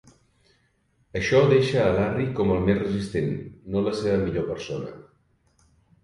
Això deixa a Larry com el més resistent, no la seva millor persona.